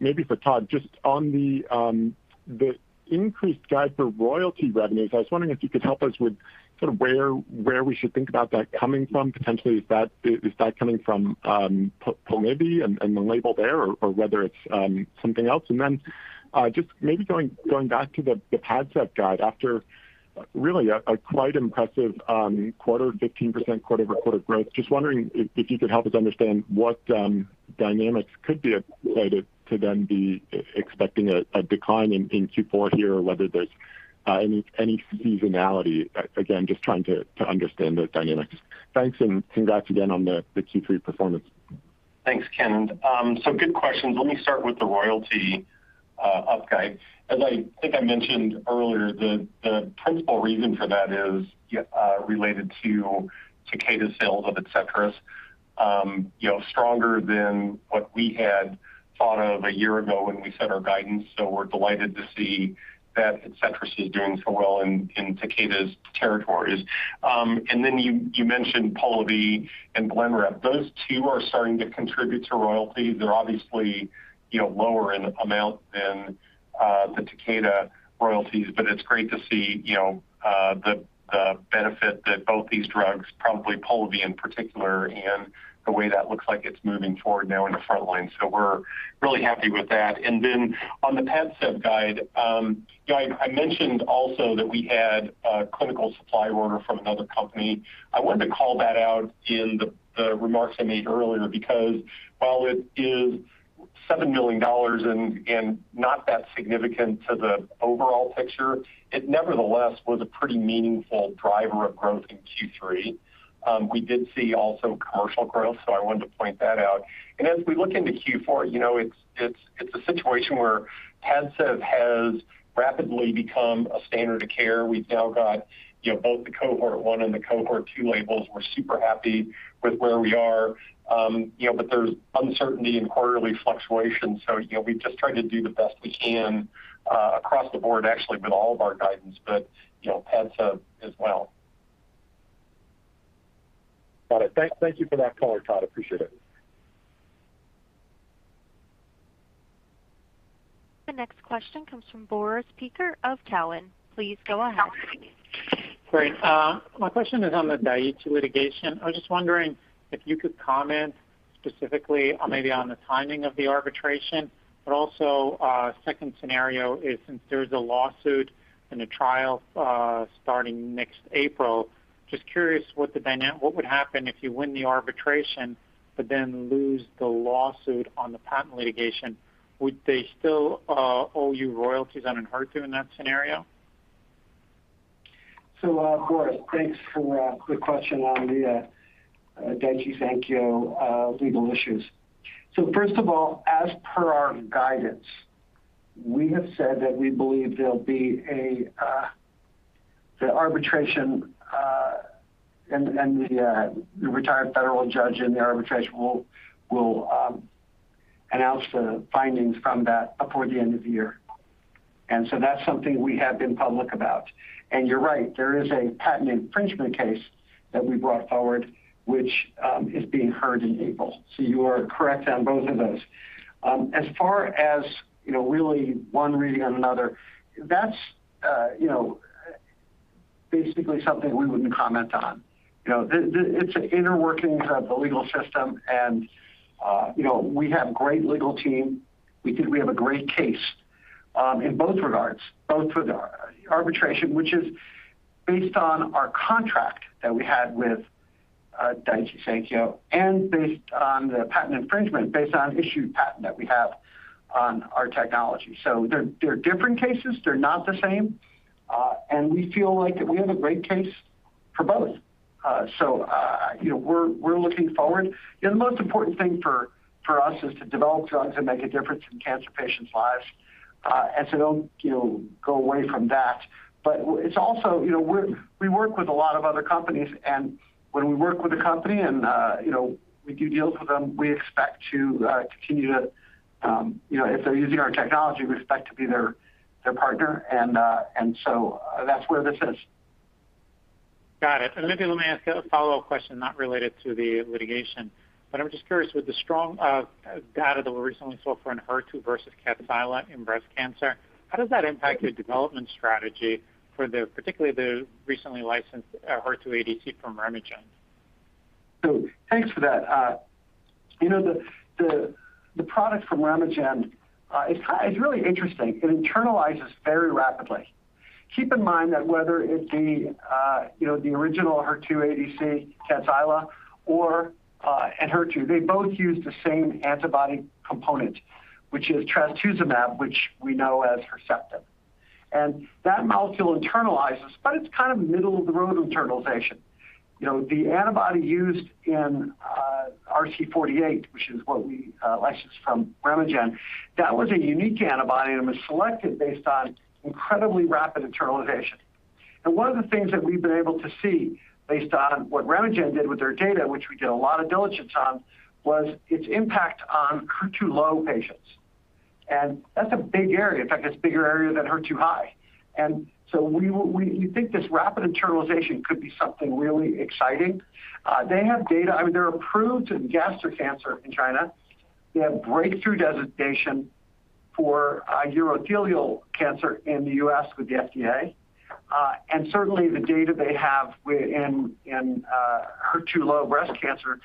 maybe for Todd, just on the increased guide for royalty revenues. I was wondering if you could help us with sort of where we should think about that coming from potentially. Is that coming from Polivy and the label there or whether it's something else? Just maybe going back to the PADCEV guide. After really a quite impressive quarter, 15% quarter-over-quarter growth, just wondering if you could help us understand what dynamics could be at play to then be expecting a decline in Q4 here or whether there's any seasonality. Again, just trying to understand those dynamics. Thanks, and congrats again on the Q3 performance. Thanks, Kennan. Good questions. Let me start with the royalty up guide. As I think I mentioned earlier, the principal reason for that is related to Takeda's sales of Adcetris, you know, stronger than what we had thought of a year ago when we set our guidance. We're delighted to see that Adcetris is doing so well in Takeda's territories. You mentioned Polivy and Blenrep. Those two are starting to contribute to royalties. They're obviously, you know, lower in amount than the Takeda royalties, but it's great to see, you know, the benefit that both these drugs, probably Polivy in particular, and the way that looks like it's moving forward now in the front line. We're really happy with that. On the Padcev guide, you know, I mentioned also that we had a clinical supply order from another company. I wanted to call that out in the remarks I made earlier because while it is $7 million and not that significant to the overall picture, it nevertheless was a pretty meaningful driver of growth in Q3. We did see also commercial growth, so I wanted to point that out. As we look into Q4, you know, it's a situation where Padcev has rapidly become a standard of care. We've now got, you know, both the Cohort one and the Cohort two labels. We're super happy with where we are. There's uncertainty and quarterly fluctuations. You know, we just try to do the best we can across the board actually with all of our guidance, but you know, Padcev as well. Got it. Thank you for that color, Todd. Appreciate it. The next question comes from Boris Peaker of Cowen. Please go ahead. Great. My question is on the Daiichi litigation. I was just wondering if you could comment specifically on maybe on the timing of the arbitration, but also, second scenario is since there's a lawsuit and a trial starting next April, just curious what would happen if you win the arbitration but then lose the lawsuit on the patent litigation? Would they still owe you royalties on Enhertu in that scenario? Boris, thanks for the question on the Daiichi Sankyo legal issues. First of all, as per our guidance, we have said that we believe there'll be the arbitration and the retired federal judge in the arbitration will announce the findings from that before the end of the year. That's something we have been public about. You're right, there is a patent infringement case that we brought forward, which is being heard in April. You are correct on both of those. As far as, you know, really one reading on another, that's you know, basically something we wouldn't comment on. You know, It's an inner workings of the legal system and you know, we have great legal team. We think we have a great case in both regards, both with our arbitration, which is based on our contract that we had with Daiichi Sankyo, and based on the patent infringement, based on issued patent that we have on our technology. They're different cases, they're not the same, and we feel like we have a great case for both. You know, we're looking forward. You know, the most important thing for us is to develop drugs and make a difference in cancer patients' lives, and don't go away from that. It's also, you know, we work with a lot of other companies, and when we work with a company and, you know, we do deals with them, we expect to continue to, you know, if they're using our technology, we expect to be their partner and so that's where this is. Got it. Maybe let me ask a follow-up question not related to the litigation, but I'm just curious, with the strong data that we recently saw for Enhertu versus Kadcyla in breast cancer, how does that impact your development strategy for the, particularly the recently licensed HER2 ADC from RemeGen? Thanks for that. You know, the product from RemeGen, it's really interesting. It internalizes very rapidly. Keep in mind that whether it's the original HER2 ADC, Kadcyla or Enhertu, they both use the same antibody component, which is trastuzumab, which we know as Herceptin. That molecule internalizes, but it's kind of middle of the road internalization. You know, the antibody used in RC48, which is what we licensed from RemeGen, that was a unique antibody, and it was selected based on incredibly rapid internalization. One of the things that we've been able to see based on what RemeGen did with their data, which we did a lot of diligence on, was its impact on HER2 low patients. That's a big area. In fact, it's a bigger area than HER2 high. We think this rapid internalization could be something really exciting. They have data. I mean, they're approved in gastric cancer in China. They have breakthrough designation for urothelial cancer in the U.S. with the FDA. Certainly the data they have in HER2 low breast cancer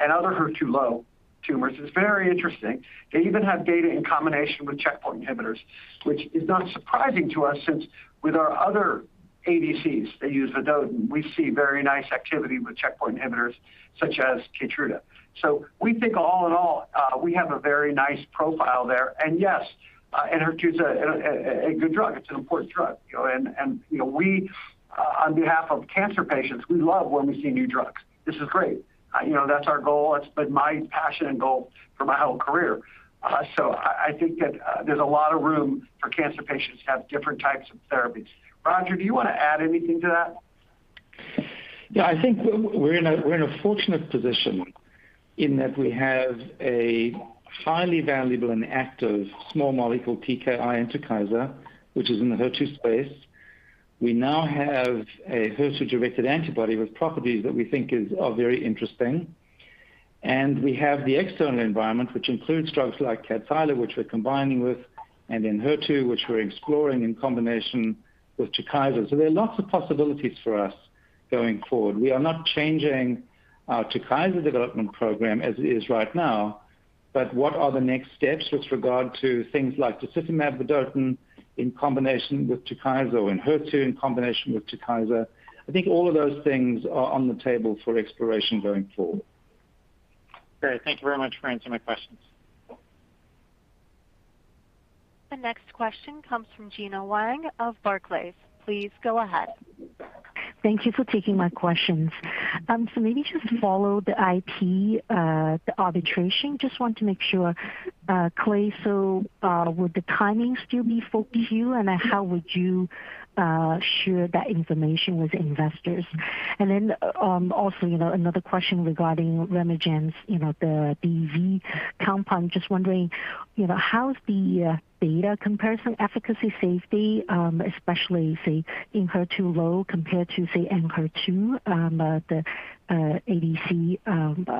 and other HER2 low tumors is very interesting. They even have data in combination with checkpoint inhibitors, which is not surprising to us since with our other ADCs, they use Adcetris. We see very nice activity with checkpoint inhibitors such as Keytruda. We think all in all, we have a very nice profile there. Yes, Enhertu's a good drug. It's an important drug, you know, and you know, we on behalf of cancer patients, we love when we see new drugs. This is great. You know, that's our goal. It's been my passion and goal for my whole career. I think that there's a lot of room for cancer patients to have different types of therapies. Roger, do you wanna add anything to that? Yeah. I think we're in a fortunate position in that we have a highly valuable and active small molecule TKI, Enhertu, which is in the HER2 space. We now have a HER2-directed antibody with properties that we think are very interesting. We have the external environment, which includes drugs like Kadcyla, which we're combining with, and Enhertu, which we're exploring in combination with TUKYSA. There are lots of possibilities for us going forward. We are not changing our TUKYSA development program as it is right now, but what are the next steps with regard to things like docetaxel, Herceptin in combination with TUKYSA or Enhertu in combination with TUKYSA? I think all of those things are on the table for exploration going forward. Great. Thank you very much for answering my questions. The next question comes from Gena Wang of Barclays. Please go ahead. Thank you for taking my questions. Maybe just follow up on the IP arbitration. I just want to make sure, Clay, would the timing still be 4Q? And how would you share that information with investors? And then, also, you know, another question regarding RemeGen's, you know, the DV compound. I just wondering, you know, how is the data comparison, efficacy, safety, especially say in HER2-low compared to say Enhertu, the ADC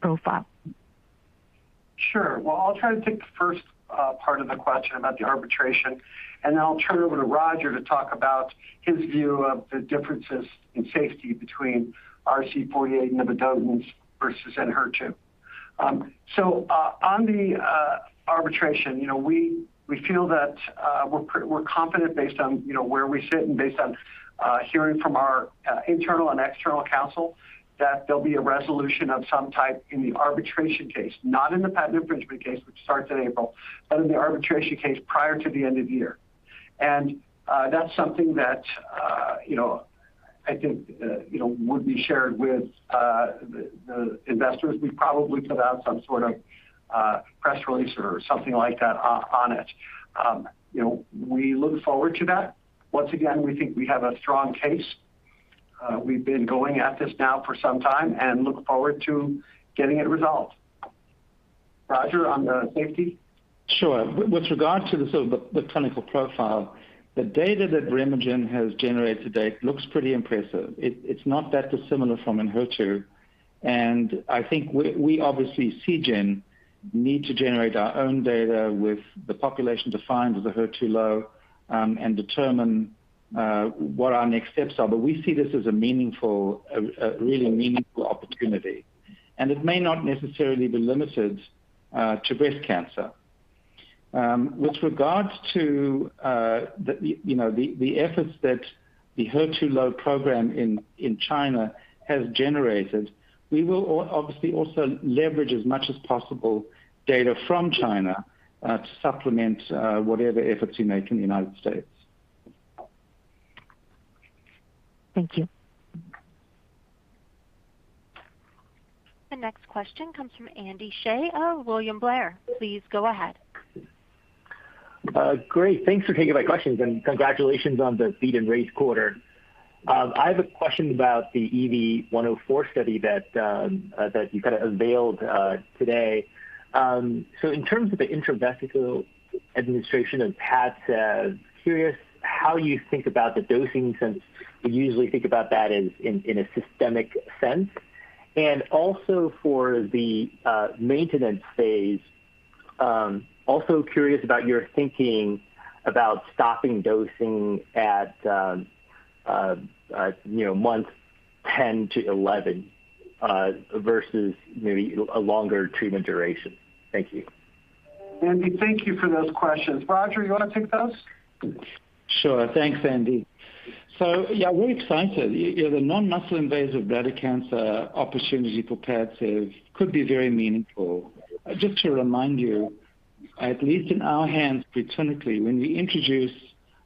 profile? Sure. Well, I'll try to take the first part of the question about the arbitration, and then I'll turn it over to Roger to talk about his view of the differences in safety between RC48 and Adotin versus Enhertu. On the arbitration, you know, we feel that we're confident based on where we sit and based on hearing from our internal and external counsel that there'll be a resolution of some type in the arbitration case, not in the patent infringement case, which starts in April, but in the arbitration case prior to the end of the year. That's something that you know, I think you know, would be shared with the investors. We'd probably put out some sort of press release or something like that on it. You know, we look forward to that. Once again, we think we have a strong case. We've been going at this now for some time and look forward to getting it resolved. Roger, on the safety. Sure. With regard to the clinical profile, the data that RemeGen has generated to date looks pretty impressive. It's not that dissimilar from Enhertu in HER2. I think we obviously Seagen need to generate our own data with the population defined as HER2-low, and determine what our next steps are. We see this as a meaningful, a really meaningful opportunity. It may not necessarily be limited to breast cancer. With regards to the efforts that the HER2-low program in China has generated, we will obviously also leverage as much as possible data from China to supplement whatever efforts we make in the United States. Thank you. The next question comes from Andy Hsieh of William Blair. Please go ahead. Great. Thanks for taking my questions, and congratulations on the beat and raise quarter. I have a question about the EV-104 study that you kind of revealed today. So in terms of the intravesical administration of PADCEV, curious how you think about the dosing, since we usually think about that as in a systemic sense. Also for the maintenance phase, also curious about your thinking about stopping dosing at month 10 to 11 versus maybe a longer treatment duration. Thank you. Andy, thank you for those questions. Roger, you wanna take those? Sure. Thanks, Andy. Yeah, we're excited. Yeah, the non-muscle invasive bladder cancer opportunity for PADCEV could be very meaningful. Just to remind you, at least in our hands preclinically, when we introduce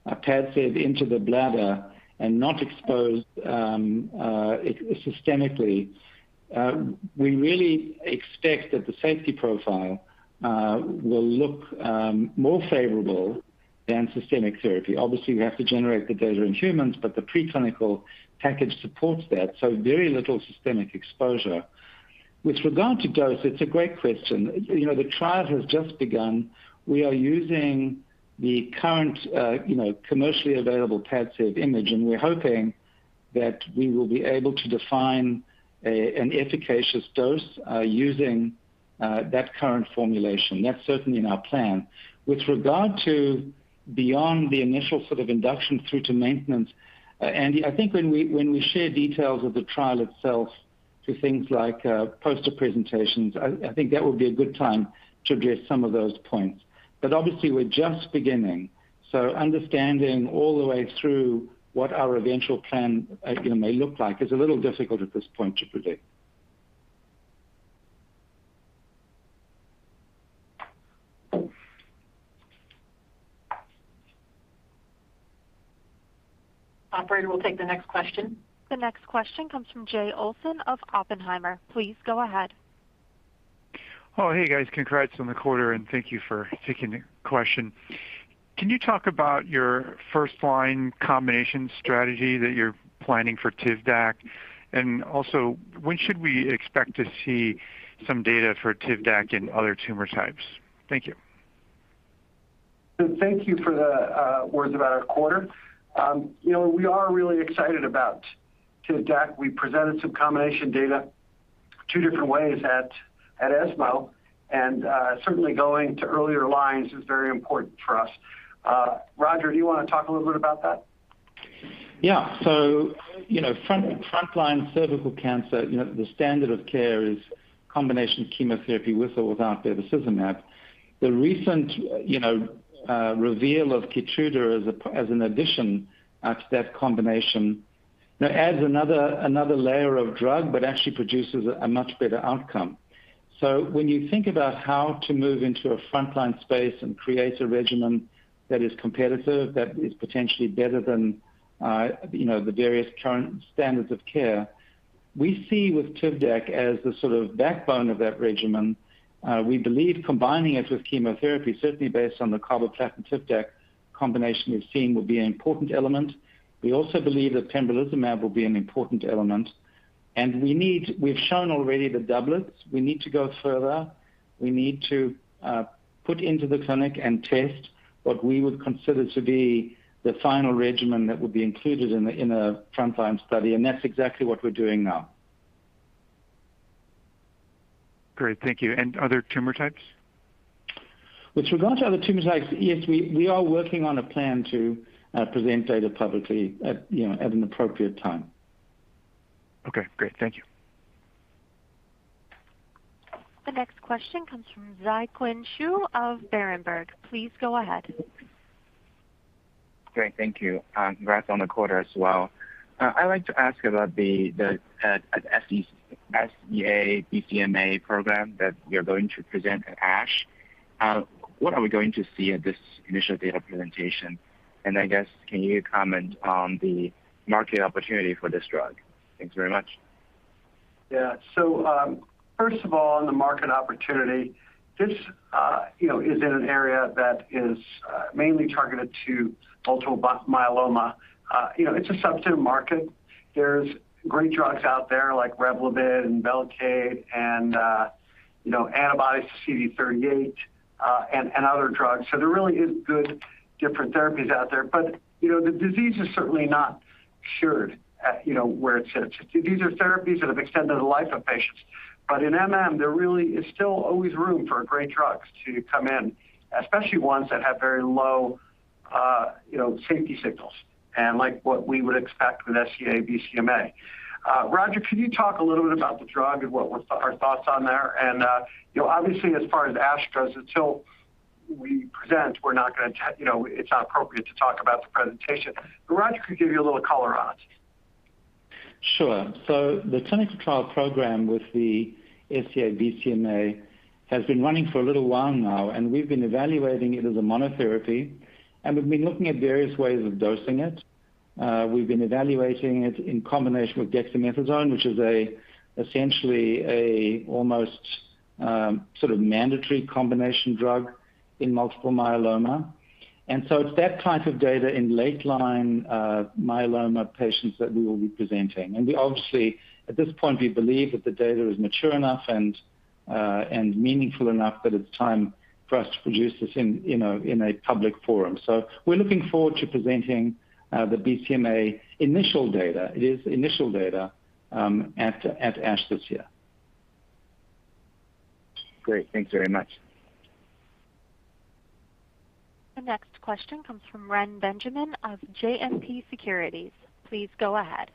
PADCEV into the bladder and not expose it systemically, we really expect that the safety profile will look more favorable than systemic therapy. Obviously, we have to generate the data in humans, but the preclinical package supports that, so very little systemic exposure. With regard to dose, it's a great question. You know, the trial has just begun. We are using the current, you know, commercially available PADCEV in mg, and we're hoping that we will be able to define an efficacious dose using that current formulation. That's certainly in our plan. With regard to beyond the initial sort of induction through to maintenance, Andy, I think when we share details of the trial itself to things like poster presentations, I think that would be a good time to address some of those points. Obviously, we're just beginning, so understanding all the way through what our eventual plan, you know, may look like is a little difficult at this point to predict. Operator, we'll take the next question. The next question comes from Jay Olson of Oppenheimer. Please go ahead. Oh, hey, guys. Congrats on the quarter, and thank you for taking the question. Can you talk about your first-line combination strategy that you're planning for TIVDAK? Also, when should we expect to see some data for TIVDAK in other tumor types? Thank you. Thank you for the words about our quarter. You know, we are really excited about TIVDAK. We presented some combination data two different ways at ESMO, and certainly going to earlier lines is very important for us. Roger, do you wanna talk a little bit about that? Yeah. Front line cervical cancer, the standard of care is combination chemotherapy with or without bevacizumab. The recent reveal of Keytruda as an addition to that combination, that adds another layer of drug but actually produces a much better outcome. When you think about how to move into a frontline space and create a regimen that is competitive, that is potentially better than the various current standards of care, we see with TIVDAK as the sort of backbone of that regimen. We believe combining it with chemotherapy, certainly based on the carboplatin TIVDAK combination we've seen, will be an important element. We also believe that pembrolizumab will be an important element. We've shown already the doublets. We need to go further. We need to put into the clinic and test what we would consider to be the final regimen that would be included in a frontline study, and that's exactly what we're doing now. Great. Thank you. Other tumor types? With regard to other tumor types, yes, we are working on a plan to present data publicly at, you know, at an appropriate time. Okay, great. Thank you. The next question comes from Zhiqiang Shu of Berenberg. Please go ahead. Great. Thank you. Congrats on the quarter as well. I'd like to ask about the SEA-BCMA program that you're going to present at ASH. What are we going to see at this initial data presentation? I guess, can you comment on the market opportunity for this drug? Thanks very much. Yeah. First of all, on the market opportunity, this, you know, is in an area that is mainly targeted to multiple myeloma. You know, it's a substantive market. There's great drugs out there like Revlimid and Velcade and, you know, antibodies, CD38, and other drugs. There really is good different therapies out there. But, you know, the disease is certainly not cured at, you know, where it sits. These are therapies that have extended the life of patients. But in MM, there really is still always room for great drugs to come in, especially ones that have very low, you know, safety signals and like what we would expect with SEA-BCMA. Roger, can you talk a little bit about the drug and what was our thoughts on there? You know, obviously as far as ASH goes, until we present, we're not gonna you know, it's not appropriate to talk about the presentation. Roger could give you a little color on it. Sure. The clinical trial program with the SEA-BCMA has been running for a little while now, and we've been evaluating it as a monotherapy, and we've been looking at various ways of dosing it. We've been evaluating it in combination with dexamethasone, which is essentially almost sort of mandatory combination drug in multiple myeloma. It's that type of data in late line myeloma patients that we will be presenting. We obviously, at this point, we believe that the data is mature enough and meaningful enough that it's time for us to produce this in a public forum. We're looking forward to presenting the BCMA initial data. It is initial data at ASH this year. Great. Thanks very much. The next question comes from Reni Benjamin of JMP Securities. Please go ahead.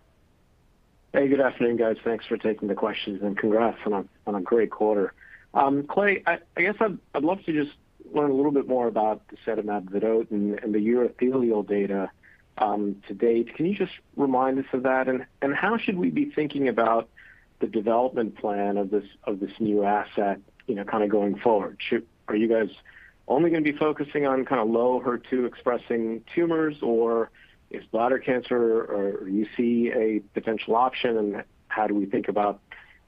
Hey, good afternoon, guys. Thanks for taking the questions, and congrats on a great quarter. Clay, I guess I'd love to just learn a little bit more about the disitamab vedotin and the urothelial data to date. Can you just remind us of that? How should we be thinking about the development plan of this new asset, you know, kinda going forward? Are you guys only gonna be focusing on kinda low HER2 expressing tumors, or is bladder cancer, or do you see a potential option, and how do we think about,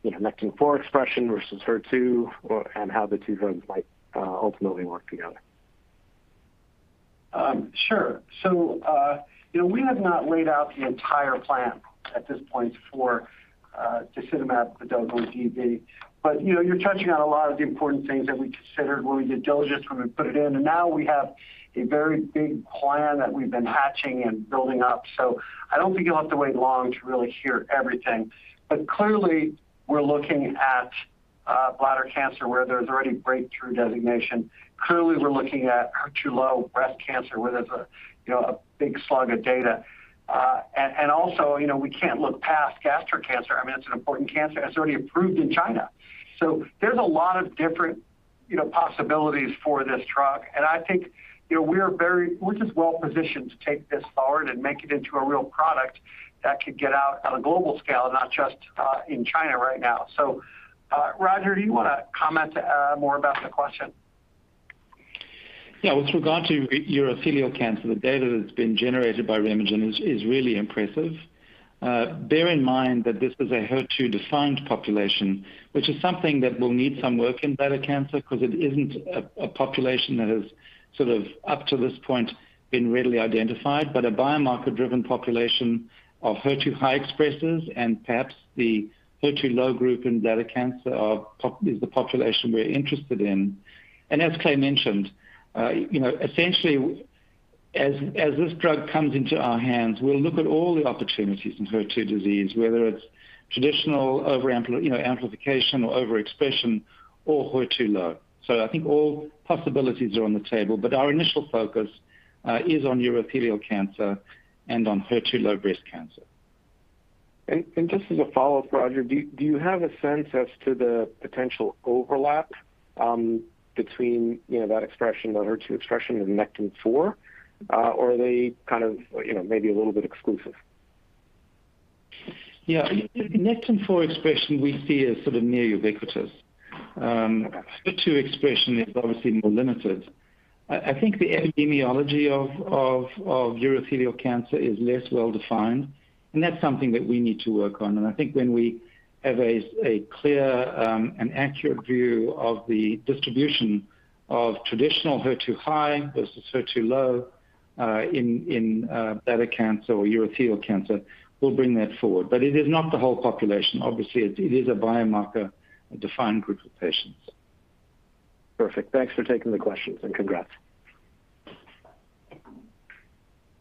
you know, Nectin-4 expression versus HER2, and how the two drugs might ultimately work together? Sure. You know, we have not laid out the entire plan at this point for the sacituzumab govitecan. You know, you're touching on a lot of the important things that we considered when we did diligence, when we put it in. Now we have a very big plan that we've been hatching and building up. I don't think you'll have to wait long to really hear everything. Clearly, we're looking at bladder cancer, where there's already breakthrough designation. Clearly, we're looking at HER2-low breast cancer, where there's, you know, a big slug of data. Also, you know, we can't look past gastric cancer. I mean, it's an important cancer. It's already approved in China. There's a lot of different, you know, possibilities for this drug. I think, you know, we're very... We're just well-positioned to take this forward and make it into a real product that could get out on a global scale, not just in China right now. So, Roger, do you wanna comment more about the question? Yeah. With regard to urothelial cancer, the data that's been generated by RemeGen is really impressive. Bear in mind that this is a HER2-defined population, which is something that will need some work in bladder cancer 'cause it isn't a population that has sort of, up to this point, been readily identified. A biomarker-driven population of HER2-high expressers and perhaps the HER2-low group in bladder cancer is the population we're interested in. As Clay mentioned, you know, essentially as this drug comes into our hands, we'll look at all the opportunities in HER2 disease, whether it's traditional amplification or overexpression or HER2-low. I think all possibilities are on the table, but our initial focus is on urothelial cancer and on HER2-low breast cancer. Just as a follow-up, Roger, do you have a sense as to the potential overlap between, you know, that expression, the HER2 expression and Nectin-4? Or are they kind of, you know, maybe a little bit exclusive? Yeah. Nectin-4 expression we see as sort of near ubiquitous. HER2 expression is obviously more limited. I think the epidemiology of urothelial cancer is less well-defined, and that's something that we need to work on. I think when we have a clear and accurate view of the distribution of traditional HER2 high versus HER2 low in bladder cancer or urothelial cancer, we'll bring that forward. It is not the whole population. Obviously, it is a biomarker, a defined group of patients. Perfect. Thanks for taking the questions, and congrats.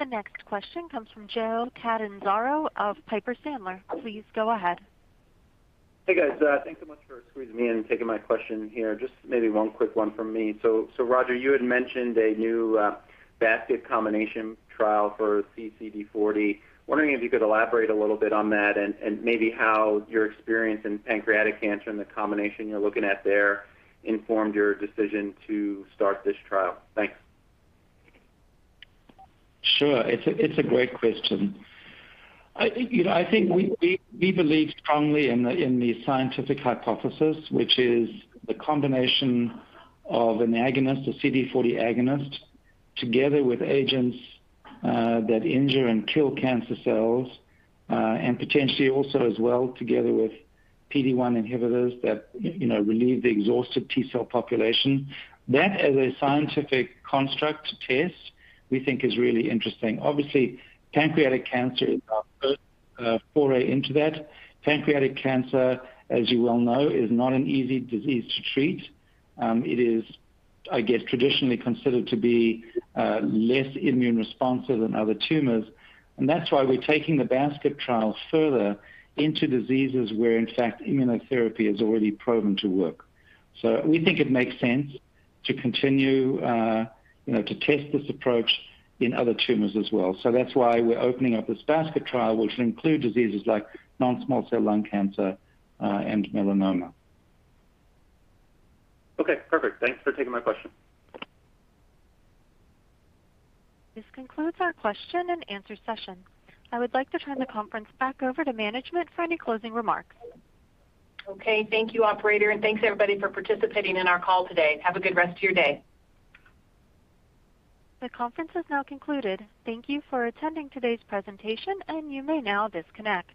The next question comes from Joe Catanzaro of Piper Sandler. Please go ahead. Hey, guys. Thanks so much for squeezing me in and taking my question here. Just maybe one quick one from me. Roger, you had mentioned a new basket combination trial for CCD40. Wondering if you could elaborate a little bit on that and maybe how your experience in pancreatic cancer and the combination you're looking at there informed your decision to start this trial. Thanks. Sure. It's a great question. I think we believe strongly in the scientific hypothesis, which is the combination of an agonist, a CD40 agonist, together with agents that injure and kill cancer cells, and potentially also as well together with PD-1 inhibitors that you know relieve the exhausted T-cell population. That as a scientific construct test, we think is really interesting. Obviously, pancreatic cancer is our first foray into that. Pancreatic cancer, as you well know, is not an easy disease to treat. It is, I guess, traditionally considered to be less immune responsive than other tumors, and that's why we're taking the basket trial further into diseases where, in fact, immunotherapy is already proven to work. We think it makes sense to continue, you know, to test this approach in other tumors as well. That's why we're opening up this basket trial, which will include diseases like non-small cell lung cancer, and melanoma. Okay, perfect. Thanks for taking my question. This concludes our question and answer session. I would like to turn the conference back over to management for any closing remarks. Okay. Thank you, operator, and thanks everybody for participating in our call today. Have a good rest of your day. The conference is now concluded. Thank you for attending today's presentation, and you may now disconnect.